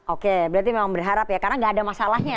oke berarti memang berharap ya karena gak ada masalahnya